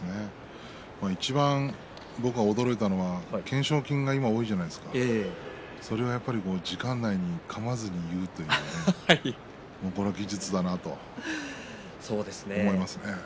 いちばん僕が驚いたのは懸賞金が今、多いじゃないですかそれも時間前にかまずに言うというねこれは技術かなと思いますね。